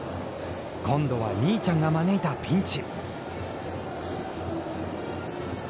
今度は、兄ちゃんが招いたピンチ。